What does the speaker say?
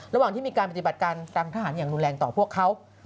ระหว่างที่มีการปฏิบัติการทางทหารอย่างรุนแรงต่อพวกเขา